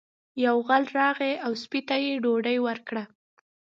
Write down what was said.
یو غل راغی او سپي ته یې ډوډۍ ورکړه.